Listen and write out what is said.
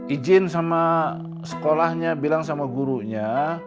izin sama sekolahnya bilang sama gurunya